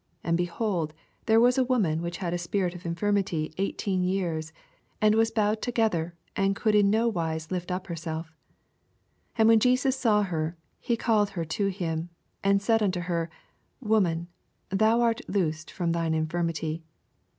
11 And, behold, there was a woman which had a spirit of infirmity eight een years, ana was bowed together, and could in no wise lift np h^sdf, 12 And when Jesus saw her, he called her to him^ and said un' o her. Woman, thou art loosed fron thine infirmity.